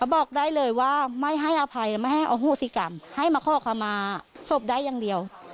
บอกได้เลยว่าไม่ให้อภัยไม่ให้อโหสิกรรมให้มาขอคำมาศพได้อย่างเดียว